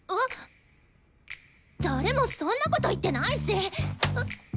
誰もそんなこと言ってないし！